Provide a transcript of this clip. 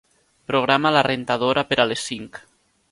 Programa la rentadora per a les cinc.